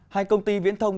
hai công ty viễn thông